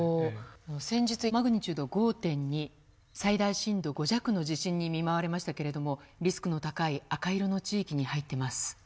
先週マグニチュード５．２最大震度５弱の地震に見舞われましたけれどもリスクの高い赤色の地域に入ってます。